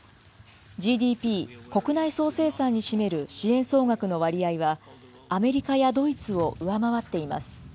ＧＤＰ・国内総生産に占める支援総額の割合は、アメリカやドイツを上回っています。